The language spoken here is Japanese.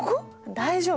大丈夫。